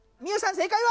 正解は？